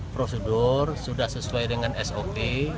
prosedur sudah sesuai dengan sop